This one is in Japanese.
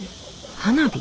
花火？